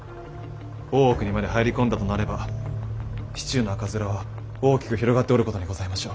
大奥にまで入り込んだとなれば市中の赤面は大きく広がっておることにございましょう。